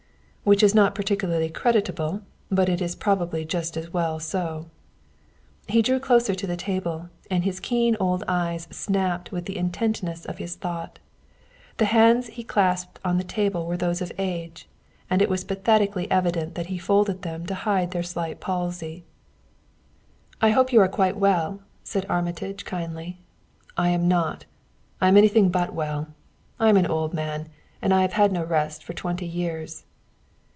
"Which is not particularly creditable; but it's probably just as well so." He drew closer to the table, and his keen old eyes snapped with the intentness of his thought. The hands he clasped on the table were those of age, and it was pathetically evident that he folded them to hide their slight palsy. "I hope you are quite well," said Armitage kindly. "I am not. I am anything but well. I am an old man, and I have had no rest for twenty years."